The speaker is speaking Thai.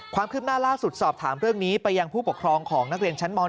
ความคืบหน้าล่าสุดสอบถามเรื่องนี้ไปยังผู้ปกครองของนักเรียนชั้นม๑